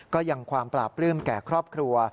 ก็ยังความปราบปลื้มแก่ครอบครัว